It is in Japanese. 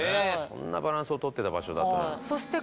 そんなバランスを取ってた場所だったなんて